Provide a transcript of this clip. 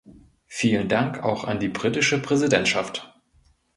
Vielen Dank auch an die britische Präsidentschaft!